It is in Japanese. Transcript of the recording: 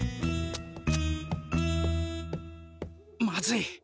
まずい！